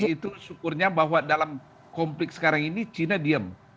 itu syukurnya bahwa dalam konflik sekarang ini china diam